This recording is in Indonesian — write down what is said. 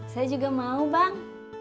saya juga mau bang